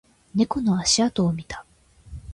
猫の足跡を見た